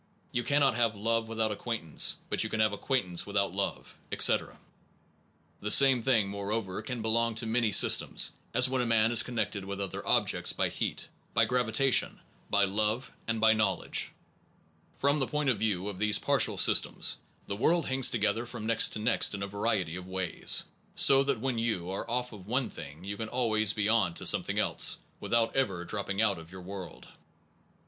You cannot have love without acquaintance, but you can have ac quaintance without love, etc. The same thing, moreover, can belong to many systems, as when a man is connected with other objects by heat, by gravitation, by love, and by know ledge. 130 THE ONE AND THE MANY From the point of view of these partial sys tems, the world hangs together from next to next in a variety of ways, so that when you are off of one thing you can always be on to something else, without ever dropping out of your world.